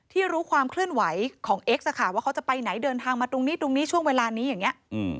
รู้ความเคลื่อนไหวของเอ็กซ์ว่าเขาจะไปไหนเดินทางมาตรงนี้ตรงนี้ช่วงเวลานี้อย่างนี้